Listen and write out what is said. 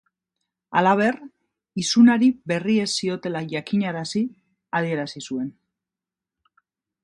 Halaber, isunari berri ez ziotela jakinarazi adierazi zuen.